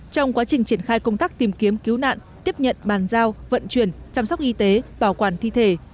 trong quá trình triển khai công tác tìm kiếm cứu nạn tiếp nhận bàn giao vận chuyển chăm sóc y tế bảo quản thi thể